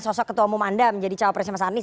sosok ketua umum anda menjadi cawapresnya mas anies